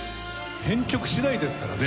編曲次第ですからね